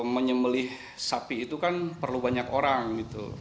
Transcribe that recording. menyembelih sapi itu kan perlu banyak orang gitu